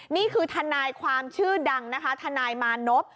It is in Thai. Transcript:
นี่คือทนายความชื่อดังนะคะทนายมานพ